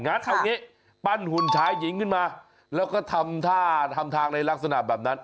งั้นเอาอย่างนี้ปั้นหุ่นท้ายหญิงขึ้นมาแล้วก็ทำทางในลักษณะแบบนั้น